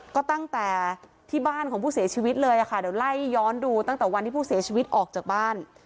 ก็ตั้งแต่ที่บ้านของผู้เสียชีวิตเลยค่ะเดี๋ยวไล่ย้อนดูตั้งแต่วันที่ผู้เสียชีวิตออกจากบ้าน